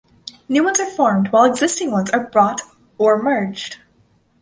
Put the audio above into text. New ones are formed, while existing ones are bought or merged.